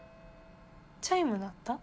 チャイム鳴った？